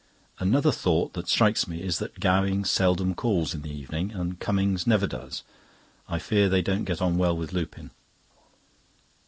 Another thought that strikes me is that Gowing seldom calls in the evening, and Cummings never does. I fear they don't get on well with Lupin.